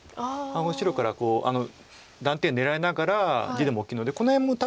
白から断点狙いながら出るのも大きいのでこの辺も多分。